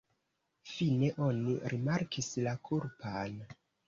Fine oni rimarkis la kulpan.